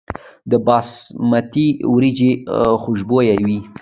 د باسمتي وریجې خوشبويه وي.